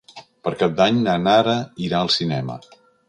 Per Cap d'Any na Nara irà al cinema.